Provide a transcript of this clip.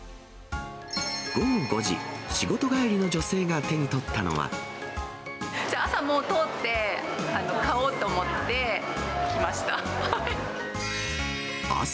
午後５時、仕事帰りの女性が手に朝、もう通って、買おうと思って来ました。